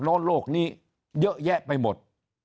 โน้นโรคนี้เยอะแยะไปหมด